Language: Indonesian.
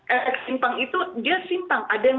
efek simpang itu dia simpang